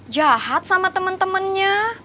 jahat sama temen temennya